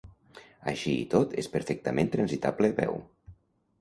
Així i tot és perfectament transitable a peu.